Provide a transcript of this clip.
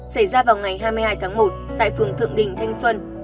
xảy ra vào ngày hai mươi hai tháng một tại phường thượng đình thanh xuân